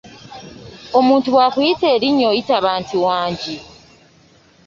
Omuntu bwakuyita erinnya oyitaba nti "Wangi?